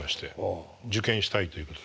受験したいということで。